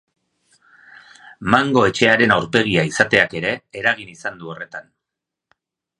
Mango etxearen aurpegia izateak ere eragin izan du horretan.